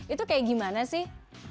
itu seperti bagaimana sih